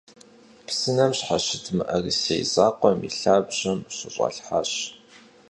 Псынэм щхьэщыт мыӀэрысей закъуэм и лъабжьэм щыщӀалъхьащ.